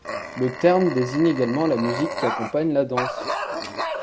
Le terme désigne également la musique qui accompagne la danse.